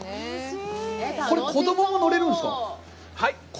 これ、子供も乗れるんですか？